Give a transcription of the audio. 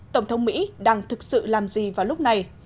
tổng thống mỹ đang thực sự làm gì vào lúc này